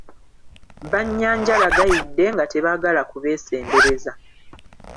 Bannyanjala gayidde nga tebaagala kubesembereza.